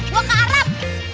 gua ke arab